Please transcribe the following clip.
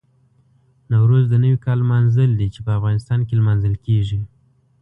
نوروز د نوي کال لمانځل دي چې په افغانستان کې لمانځل کېږي.